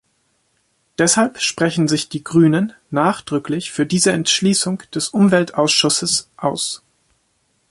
Deshalb sprechen sich die Grünen nachdrücklich für diese Entschließung des Umweltausschusses aus.